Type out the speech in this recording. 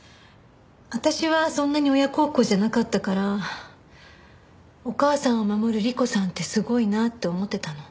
私はそんなに親孝行じゃなかったからお母さんを守る莉子さんってすごいなって思ってたの。